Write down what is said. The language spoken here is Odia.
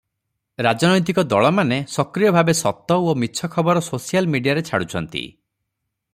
ରାଜନୈତିକ ଦଳମାନେ ସକ୍ରିୟ ଭାବେ ସତ ଓ ମିଛ ଖବର ସୋସିଆଲ ମିଡ଼ିଆରେ ଛାଡୁଛନ୍ତି ।